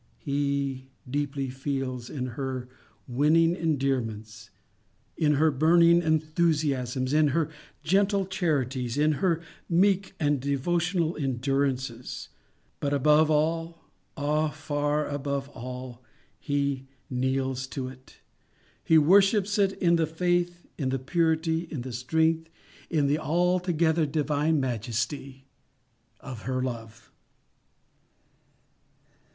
He deeply feels it in her winning endearments—in her burning enthusiasms—in her gentle charities—in her meek and devotional endurances—but above all—ah, far above all, he kneels to it—he worships it in the faith, in the purity, in the strength, in the altogether divine majesty—of her love.